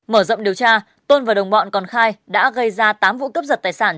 mở rộng điều tra tôn và đồng bọn còn khai đã gây ra tám vụ cướp giật tài sản